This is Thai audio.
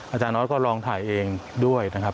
อาจารย์ออสก็ลองถ่ายเองด้วยนะครับ